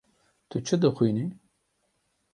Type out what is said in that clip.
Tu çi dixwînî?